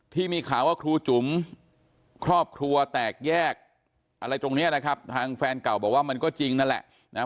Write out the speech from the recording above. ที่มีข่าวว่าครูจุ๋มครอบครัวแตกแยกอะไรตรงเนี้ยนะครับทางแฟนเก่าบอกว่ามันก็จริงนั่นแหละนะฮะ